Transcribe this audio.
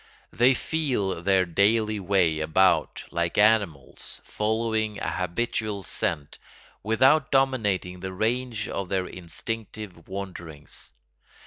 They feel their daily way about like animals, following a habitual scent, without dominating the range of their instinctive wanderings.